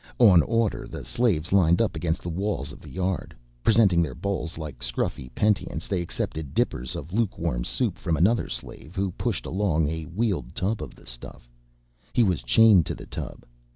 On order the slaves lined up against the walls of the yard. Presenting their bowls like scruffy penitents they accepted dippers of lukewarm soup from another slave who pushed along a wheeled tub of the stuff: he was chained to the tub.